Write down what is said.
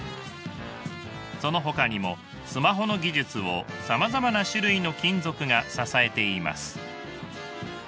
そのほかにもスマホの技術をさまざまな種類の金属が支えています。